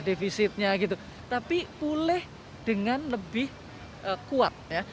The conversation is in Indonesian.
defisitnya gitu tapi pulih dengan lebih kuat ya